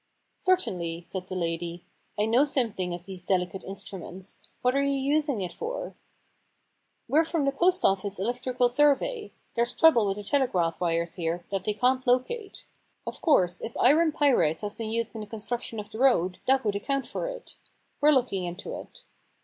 * Certainly,' said the lady. * I know some The Problem Club thing of these delicate instruments. What are you using it for ?'* WeVe from the Post Office Electrical Survey. There's trouble with the telegraph wires here that they can't locate. Of course if iron pyrites has been used in the construc tion of the road, that would account for it. We're looking into it.